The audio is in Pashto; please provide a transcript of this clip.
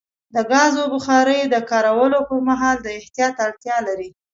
د ګازو بخاري د کارولو پر مهال د احتیاط اړتیا لري.